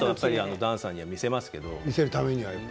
ダンサーには見せますけど。